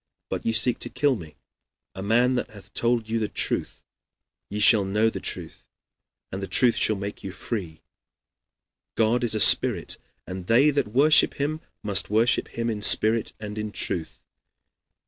But ye seek to kill me, a man that hath told you the truth. Ye shall know the truth, and the truth shall make you free. God is a spirit, and they that worship him must worship him in spirit and in truth.